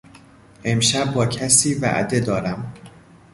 امشب با کسی وعده دارم.